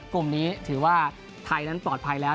กลุ่มนี้ถือว่าไทยนั้นปลอดภัยแล้ว